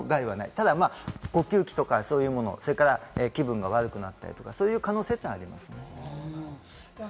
ただ、呼吸器とかそういうもの、気分が悪くなったりとかそういう可能性はあります。